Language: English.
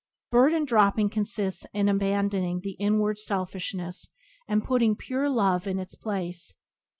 Burden dropping consists in abandoning the inward selfishness and putting pure love in its place.